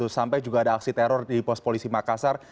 sampai juga ada aksi teror di pos polisi makassar